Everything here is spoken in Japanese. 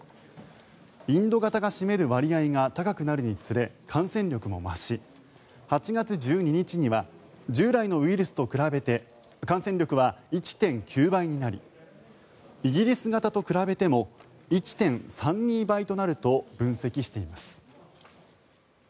インド型が占める割合が高くなるにつれ感染力も増し８月１２日には従来のウイルスと比べて感染力は１．９倍になりイギリス型と比べても１．３２倍となると分析しています。